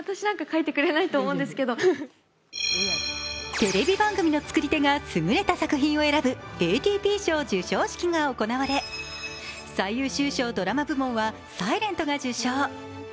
テレビ番組の創り手が選ぶＡＴＰ賞授賞式が行われ、最優秀・ドラマ部門は「ｓｉｌｅｎｔ」が受賞。